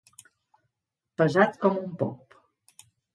Pesat com un pop.